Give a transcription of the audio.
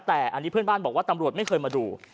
แต่อันนี้เพื่อนบ้านบอกว่าตำรวจไม่เคยมาดู